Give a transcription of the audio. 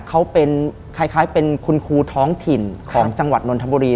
เขาเป็นคล้ายเป็นคุณครูท้องถิ่นของจังหวัดนนทบุรี